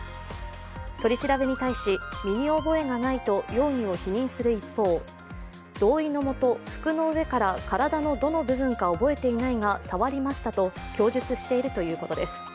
取り調べに対し身に覚えがないと容疑を否認する一方同意のもと、服の上から体のどの部分か覚えていないが触りましたと供述しているということです。